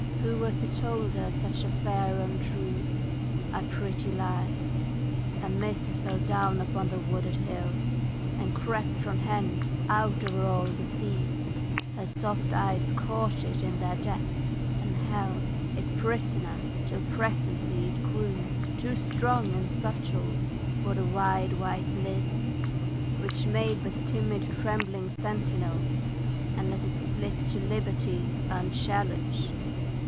_ Who was it told Her such a fair untruth a pretty lie? A mist fell down upon the wooded hills, And crept from thence out over all the sea, Her soft eyes caught it in their depth and held It prisoner, till presently it grew Too strong and subtle for the wide white lids Which made but timid trembling sentinels, And let it slip to liberty unchallenged.